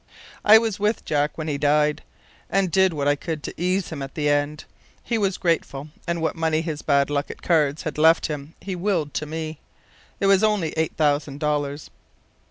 "I was with Jack when he died, and did what I could to ease him at the end. He was grateful, and what money his bad luck at cards had left him he willed to me. It was only eight thousand dollars.